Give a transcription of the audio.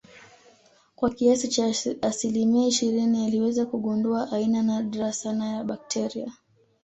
kwa kiasi cha asilimia ishirini aliweza kugundua aina nadra sana ya bakteria